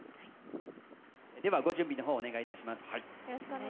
ではご準備の方お願いします。